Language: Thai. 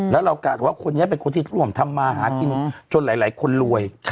แล้วเรากะว่าคนนี้เป็นคนที่ร่วมทำมาหากินจนหลายคนรวย